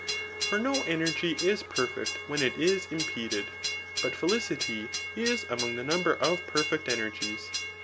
For no energy is perfect when it is impeded ; but felicity is among the number of perfect energies.